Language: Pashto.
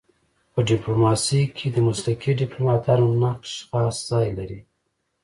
په ډيپلوماسی کي د مسلکي ډيپلوماتانو نقش خاص ځای لري.